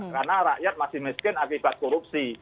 karena rakyat masih miskin akibat korupsi